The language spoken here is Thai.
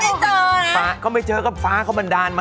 แล้วคุณพูดกับอันนี้ก็ไม่รู้นะผมว่ามันความเป็นส่วนตัวซึ่งกัน